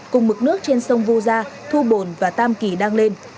cùng mực nước trên sông vu gia thu bồn và tam kỳ đang lên